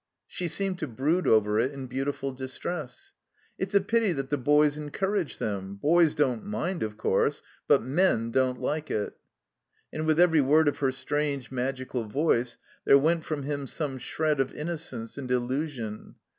She seemed to brood over it in beautiful distress. "It's a pity that the boys encourage them. Boys don't mind, of course. But men don't like it." And with every word of her strange, magical voice there went from him some shred of innocence and illusion.